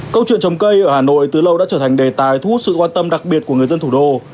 câu chuyện trồng cây ở hà nội từ lâu đã trở thành đề tài thu hút sự quan tâm đặc biệt của người dân thủ đô